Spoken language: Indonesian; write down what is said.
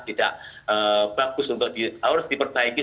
tidak bagus untuk diperbaiki